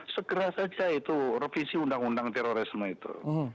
segera saja itu revisi undang undang terorisme itu